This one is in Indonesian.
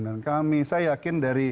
kami saya yakin dari